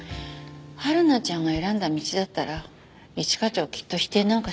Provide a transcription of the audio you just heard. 春菜ちゃんが選んだ道だったら一課長はきっと否定なんかしませんよ。